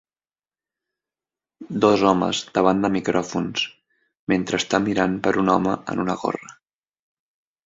Dos homes davant de micròfons mentre està mirant per un home en una gorra